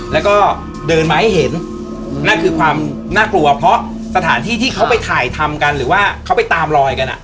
แล้วก็เดินมาให้เห็นนั่นคือความน่ากลัวเพราะสถานที่ที่เขาไปถ่ายทำกันหรือว่าเขาไปตามลอยกันอ่ะ